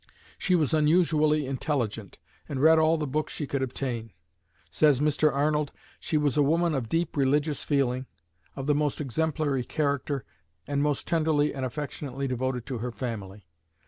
She was unusually intelligent, and read all the books she could obtain. Says Mr. Arnold: "She was a woman of deep religious feeling, of the most exemplary character, and most tenderly and affectionately devoted to her family.